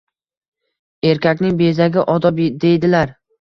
Erkakning bezagi – odob deydilar.